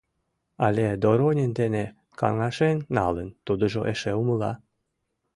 Але Доронин дене каҥашен налын, тудыжо эше умыла».